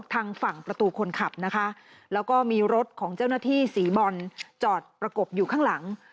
ทางฝั่งประตูคนขับนะคะแล้วก็มีรถของเจ้าหน้าที่สีบอลจอดประกบอยู่ข้างหลัง